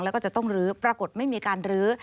แล้วก็จะต้องลื้อปรากฏไม่มีการลื้อ